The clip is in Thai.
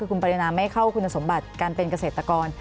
คุณปรินาไม่เข้าคุณสมบัติการเป็นเกษตรกร